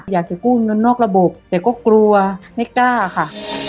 อยากจะกู้เงินนอกระบบแต่ก็กลัวไม่กล้าค่ะ